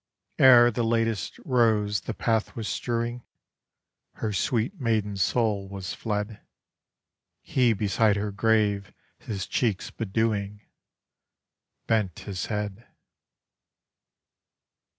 Ere the latest rose the path was strewing, Her sweet maiden soul was fled; He beside her grave his cheeks bedewing, Bent his head.